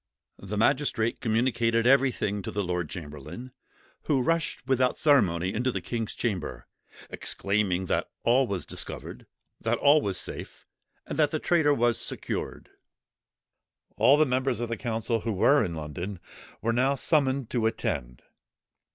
The magistrate communicated everything to the lord chamberlain, who rushed without ceremony, into the king's chamber, exclaiming that all was discovered, that all was safe, and that the traitor was secured. All the members of the council, who were in London, were now summoned to attend.